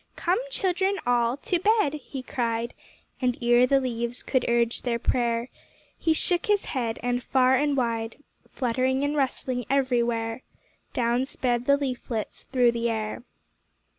"Come, children, all to bed," he cried; And ere the leaves could urge their prayer, He shook his head, and far and wide, Fluttering and rustling everywhere, Down sped the leaflets through the air.